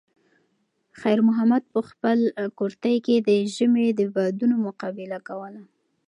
خیر محمد په خپل کورتۍ کې د ژمي د بادونو مقابله کوله.